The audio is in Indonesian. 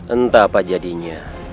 entah apa jadinya